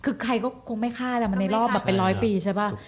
คือใครก็ไม่คาดว่ามาในละภาคนาคเป็นร้อยปีใช่ป่าว